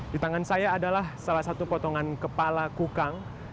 di tangan saya adalah salah satu potongan kepala kukang